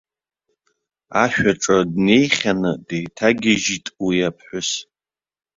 Ашә аҿы днеихьаны, деиҭагьежьит уи аԥҳәыс.